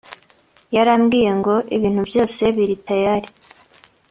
Yarambwiye ngo ibintu byose biri tayari